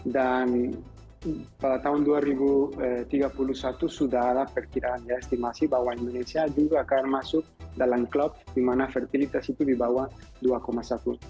dan pada tahun dua ribu tiga puluh satu sudah ada pertirahan ya